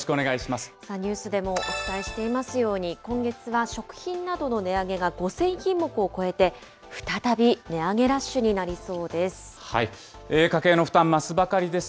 さあ、ニュースでもお伝えしていますように、今月は食品などの値上げが５０００品目を超えて、再び値上げラッシュになりそうです。